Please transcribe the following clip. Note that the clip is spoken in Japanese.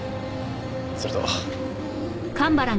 それと。